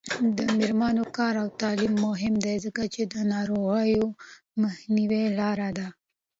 د میرمنو کار او تعلیم مهم دی ځکه چې ناروغیو مخنیوي لاره ده.